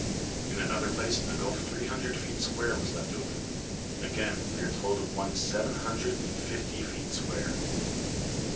In another place a gulf three hundred feet square was left open; again, we are told of one seven hundred and fifty feet square.